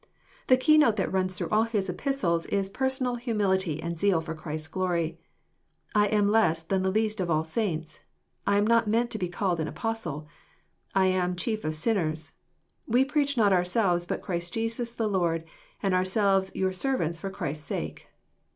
The keynote that runs through all his Epistles is personal humility and zeal for Christ's glory :—" I am less than the least of all saints — I am not meet to be called an Apostle— i I am chief of sinners — we preach not ourselves but Christ Jesus the Lord, and ourselves your servants for Jesus* , PAke.